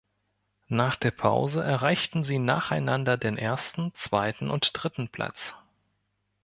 Nach der Pause erreichten sie nacheinander den ersten, zweiten und dritten Platz.